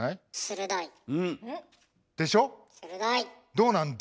どうなんだ？